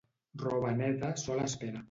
Roba neta, sol espera.